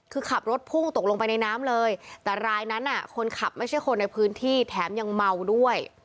คือขับรถพุ่งตกลงไปในน้ำเลยแต่รายนั้นคนขับไม่ใช่คนในพื้นที่แถมยังเมาด้วย